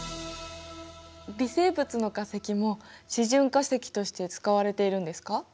微生物の化石も示準化石として使われているんですか？